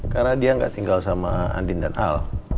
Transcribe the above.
karena dia gak tinggal sama andin dan al